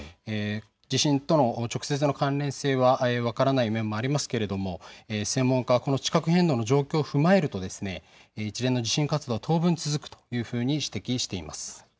地震との直接的な関係性は分からない面もありますけれども専門家はこの地殻変動の状況を踏まえると一連の地震活動、当分続くというふうに指摘しています。